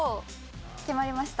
決まりました。